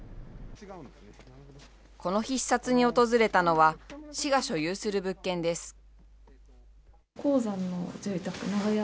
この日、視察に訪れたのは、市が所有する物件です。